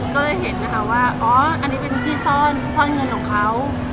ก็เลยเห็นนะคะว่าอ๋ออันนี้เป็นที่ซ่อนซ่อนเงินของเขา